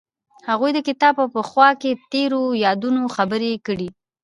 هغوی د کتاب په خوا کې تیرو یادونو خبرې کړې.